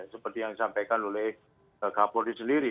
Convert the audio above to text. seperti yang disampaikan oleh kapolri sendiri